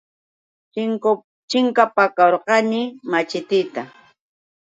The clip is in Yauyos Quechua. Chinkapakurqani machitiita.